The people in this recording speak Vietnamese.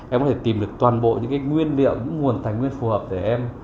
em có thể tìm được toàn bộ những cái nguyên liệu những nguồn tài nguyên phù hợp để em